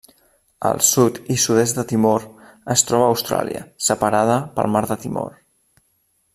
Al sud i sud-est de Timor es troba Austràlia, separada pel mar de Timor.